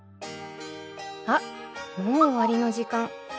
あっもう終わりの時間。